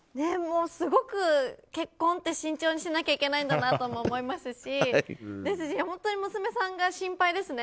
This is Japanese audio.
すごく結婚って慎重にしなきゃいけないと思いますし本当に娘さんが心配ですね。